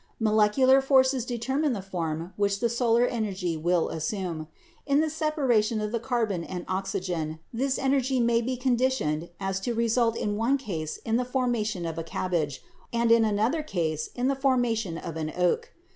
Molecular forces determine the form which the solar energy will assume. In the separation of the carbon and oxygen this energy may be so conditioned as to result in one case in the formation of a cabbage, and in another case in the forma tion of an oak.